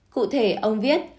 cụ thể ông viết